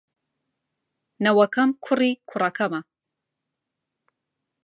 نەوەکەم کوڕی کوڕەکەمە.